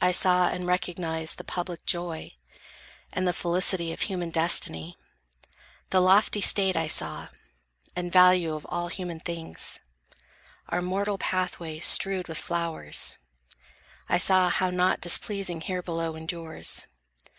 I saw and recognized The public joy, and the felicity Of human destiny. The lofty state I saw, and value of all human things; Our mortal pathway strewed with flowers; I saw How naught displeasing here below endures.